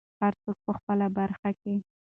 هر څوک په خپله برخه کې.